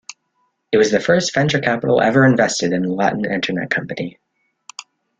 It was the first venture capital ever invested in a Latin Internet company.